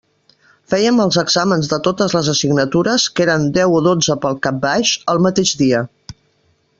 Fèiem els exàmens de totes les assignatures, que eren deu o dotze pel cap baix, el mateix dia.